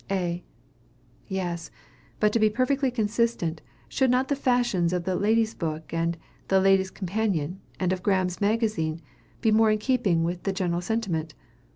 A. Yes; but to be perfectly consistent, should not the fashions of the "Lady's Book," the "Ladies' Companion," and of "Graham's Magazine," be more in keeping with the general sentiment?